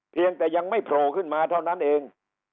เพียงแต่ยังไม่โผล่ขึ้นมาเท่านั้นเอง